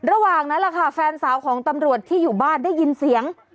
ระหว่างนั้นแหละค่ะแฟนสาวของตำรวจที่อยู่บ้านได้ยินเสียง